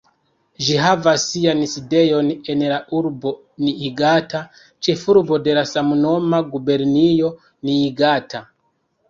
Ĝi havas sian sidejon en la urbo Niigata, ĉefurbo de la samnoma gubernio Niigata.